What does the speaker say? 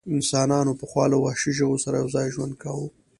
انسانانو پخوا له وحشي ژوو سره یو ځای ژوند کاوه.